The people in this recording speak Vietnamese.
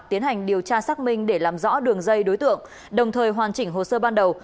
tiến hành điều tra xác minh để làm rõ đường dây đối tượng đồng thời hoàn chỉnh hồ sơ ban đầu